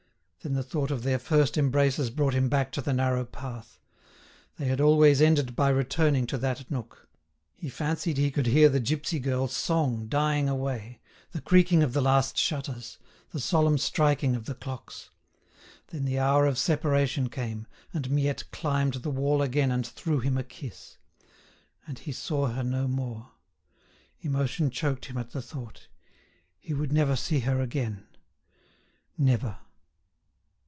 Then the thought of their first embraces brought him back to the narrow path. They had always ended by returning to that nook. He fancied he could hear the gipsy girl's song dying away, the creaking of the last shutters, the solemn striking of the clocks. Then the hour of separation came, and Miette climbed the wall again and threw him a kiss. And he saw her no more. Emotion choked him at the thought: he would never see her again—never!